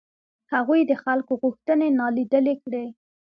هغوی د خلکو غوښتنې نالیدلې کړې.